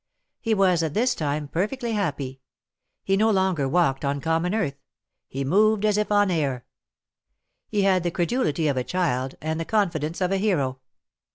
He was at this time perfectly happy ; he no longer walked on common earth ; he moved as if on air. lie had the credulity of a child, and the confidence of a hero.